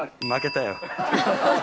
負けたよ。